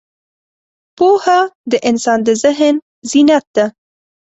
پوهه د انسان د ذهن زینت ده.